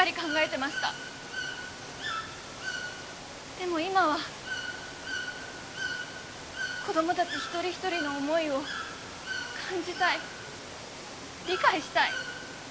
でも今は子供たち一人一人の思いを感じたい理解したい。